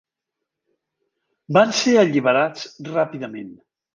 Van ser alliberats ràpidament.